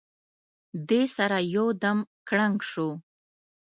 دې سره یو دم کړنګ شو.